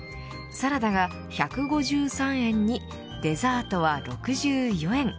サラダが１５３円にデザートは６４円。